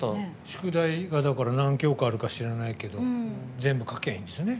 宿題が何教科あるか知らないけど全部書けばいいんですよね。